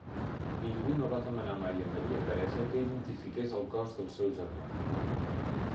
Ningú no va demanar mai a Maria Teresa que identifiqués el cos del seu germà.